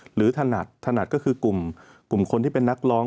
ถนัดถนัดก็คือกลุ่มคนที่เป็นนักร้อง